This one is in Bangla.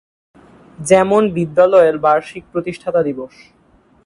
যেমন বিদ্যালয়ের বার্ষিক প্রতিষ্ঠাতা দিবস।